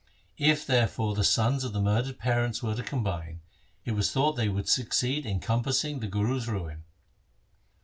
If therefore the sons of the murdered parents were to combine, it was thought they would succeed in compassing the Guru's ruin.